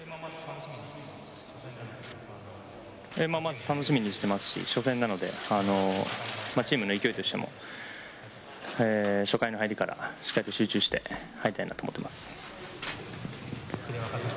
まず、楽しみにしていますし、初戦なのでチームの勢いとしても初回の入り方、しっかりと集中して入りたいなと思ってます。